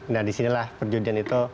nah di sini lah perjudian itu